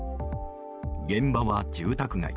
現場は住宅街。